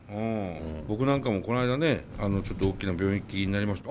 僕なんかもこの間ねあのちょっと大きな病気になりました。